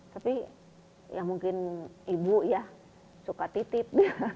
tapi ya mungkin ibu ya suka titip